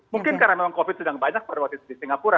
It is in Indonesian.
mungkin karena memang covid sedang banyak pada waktu itu di singapura